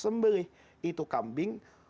sembelih itu kambing